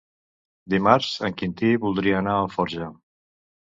Dimarts en Quintí voldria anar a Alforja.